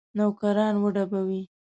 نوکران وډبوي.